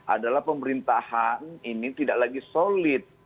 adalah pemerintahan ini tidak lagi solid